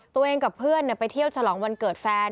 กับเพื่อนไปเที่ยวฉลองวันเกิดแฟน